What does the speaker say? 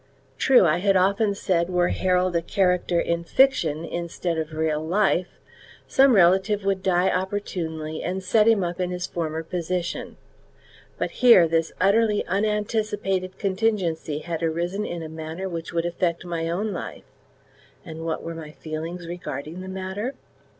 True, I had often said were Harold a character in fiction instead of real life, some relative would die opportunely and set him up in his former position, but, here, this utterly unanticipated contingency had arisen in a manner which would affect my own life, and what were my feelings regarding the matter?